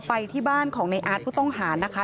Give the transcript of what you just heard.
ไปที่บ้านของในอาร์ตผู้ต้องหานะคะ